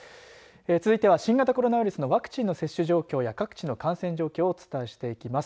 続いては、新型コロナウイルスのワクチンの接種状況や各地の感染状況をお伝えしていきます。